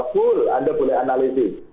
full anda boleh analisis